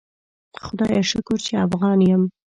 خدایه شکر چی افغان یم